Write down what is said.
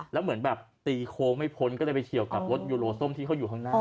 แล้วเหมือนแบบตีโค้งไม่พ้นก็เลยไปเฉียวกับรถยูโรส้มที่เขาอยู่ข้างหน้า